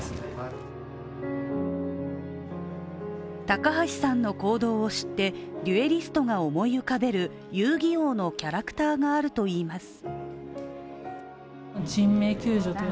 高橋さんの行動を知って、決闘者が思い浮かべる「遊☆戯☆王」のキャラクターがあるといいます。